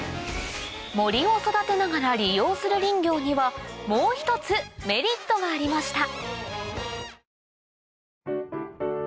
森を育てながら利用する林業にはもう一つメリットがありました